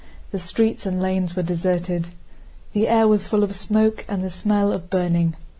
The streets and lanes were deserted. The air was full of smoke and the smell of burning.